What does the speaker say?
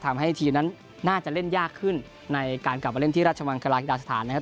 ทำให้ทีมนั้นน่าจะเล่นยากขึ้นในการกลับมาเล่นที่ราชมังคลากีฬาสถานนะครับ